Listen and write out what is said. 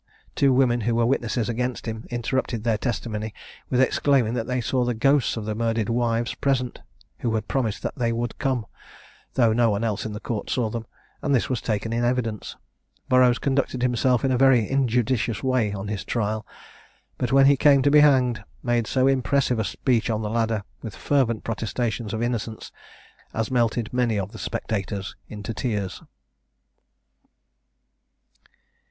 Two women, who were witnesses against him, interrupted their testimony with exclaiming that they saw the ghosts of the murdered wives present (who had promised them they would come), though no one else in the court saw them; and this was taken in evidence. Burroughs conducted himself in a very injudicious way on his trial; but, when he came to be hanged, made so impressive a speech on the ladder, with fervent protestations of innocence, as melted many of the spectators into tears.